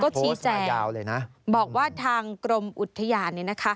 ก็ชี้แจกบอกว่าทางกรมอุทยาน